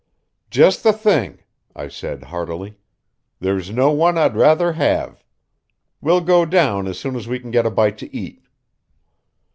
"Just the thing," I said heartily. "There's no one I'd rather have. We'll go down as soon as we can get a bite to eat."